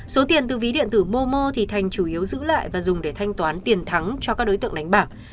số tiền từ ví điện tử momo thì thành chủ yếu giữ lại và dùng để thanh toán tiền thắng cho các đối tượng đánh bạc